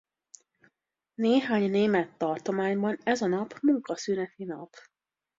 Néhány német tartományban ez a nap munkaszüneti nap.